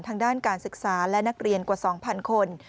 ทางด้านการศึกษาและนักเรียนกว่า๒๐๐คน